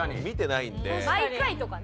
毎回とかね。